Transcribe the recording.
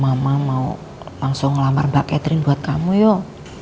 mama mau langsung ngelamar mbak catering buat kamu yuk